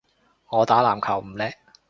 我打籃球唔叻